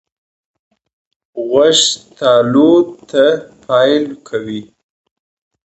غوږ تالو ته پایل کوي.